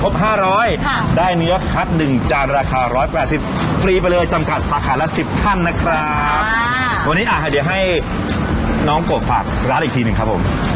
เมืองเอกแล้วนี่แน่นอนนะครับ